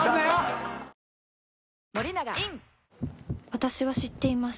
私は知っています